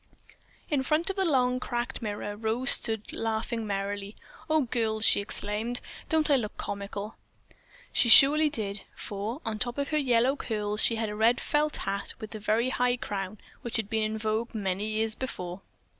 In front of the long, cracked mirror Rose stood laughing merrily. "Oh, girls," she exclaimed, "don't I look comical?" She surely did, for, on top of her yellow curls, she had a red felt hat with the very high crown which had been in vogue many years before.